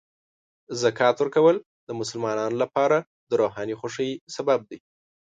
زکات ورکول د مسلمانانو لپاره د روحاني خوښۍ سبب دی.